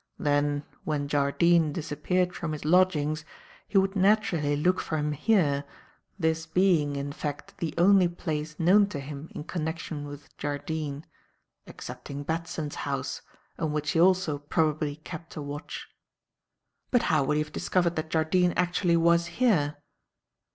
Then, when Jardine disappeared from his lodgings, he would naturally look for him here, this being, in fact, the only place known to him in connection with Jardine, excepting Batson's house, on which he also probably kept a watch." "But how would he have discovered that Jardine actually was here?"